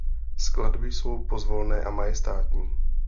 Skladby jsou pozvolné a majestátní.